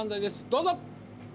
どうぞ！